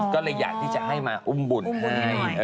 ก็เลยอยากที่จะให้มาอุ้มบุญให้